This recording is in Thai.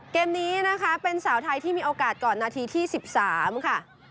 เกมนี้นะคะเป็นสาวไทยที่มีโอกาสก่อนนาทีที่๑๓ค่ะ